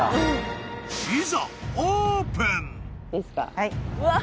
はい。